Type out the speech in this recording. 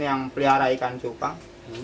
yang pelihara ikan cupang